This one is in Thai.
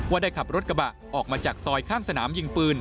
ได้ขับรถกระบะออกมาจากซอยข้างสนามยิงปืน